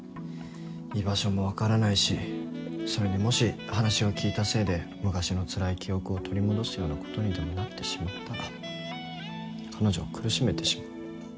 居場所も分からないしそれにもし話を聞いたせいで昔のつらい記憶を取り戻すようなことにでもなってしまったら彼女を苦しめてしまう。